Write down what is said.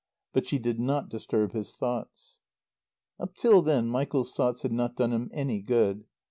But she did not disturb his thoughts. Up till then Michael's thoughts had not done him any good.